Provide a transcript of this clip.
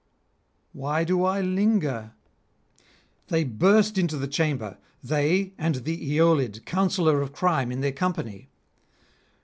Why do I linger? They burst into the chamber, they and the Aeolid, counsellor of crime, in their company.